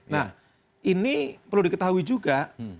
nah ini perlu diketahui juga